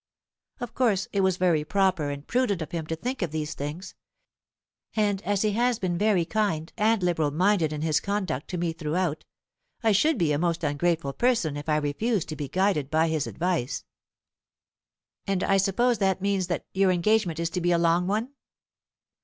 Of course it was very proper and prudent of him to think of these things; and as he has been very kind and liberal minded in his conduct to me throughout, I should be a most ungrateful person if I refused to be guided by his advice." "And I suppose that means that your engagement is to be a long one?"